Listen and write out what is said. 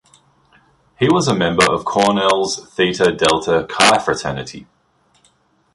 He was a member of Cornell's Theta Delta Chi fraternity.